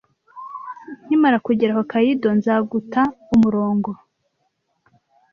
Nkimara kugera Hokkaido, nzaguta umurongo.